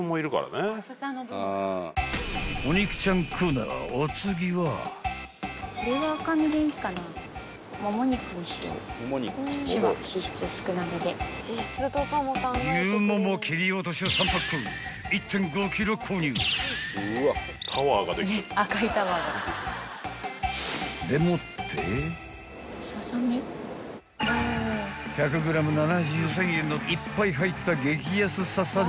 ［１００ｇ７３円のいっぱい入った激安ササミを］